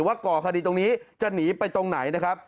ก่อคดีตรงนี้จะหนีไปตรงไหนนะครับ